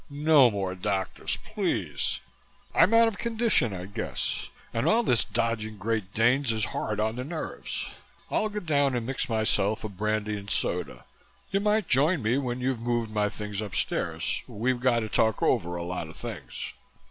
"No more doctors, please. I'm out of condition, I guess, and all this dodging Great Danes is hard on the nerves. I'll go down and mix myself a brandy and soda. You might join me when you've moved my things upstairs. We've got to talk over a lot of things."